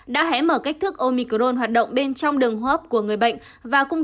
đã hẽ mở cách thức omicron hoạt động bên trong đường